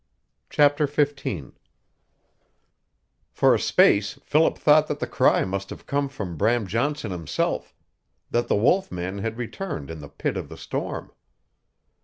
CHAPTER XV For a space Philip thought that the cry must have come from Bram Johnson himself that the wolf man had returned in the pit of the storm.